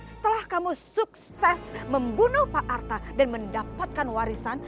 setelah kamu sukses membunuh pak arta dan mendapatkan warisan